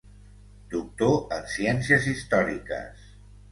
Doctor en Ciències Històriques.